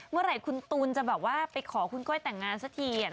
เมื่อไหร่คุณตูนจะแบบว่าไปขอคุณก้อยแต่งงานสักที